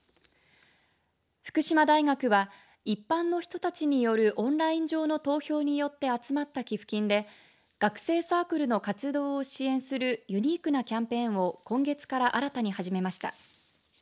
福島大学は一般の人たちによるオンライン上の投票によって集まった寄付金で学生サークルの活動を支援するユニークなキャンペーンを今月から新たに始めました。